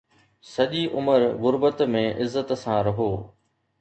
سڄي عمر غربت ۾ عزت سان رهو